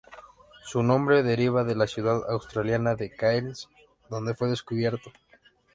Su nombre deriva de la ciudad australiana de Cairns, donde fue descubierto.